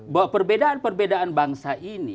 bahwa perbedaan perbedaan bangsa ini